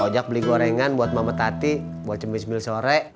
ojak beli gorengan buat mama tati buat cembil cembil sore